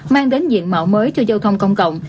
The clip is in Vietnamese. mang đến diện mạo mới cho giao thông công cộng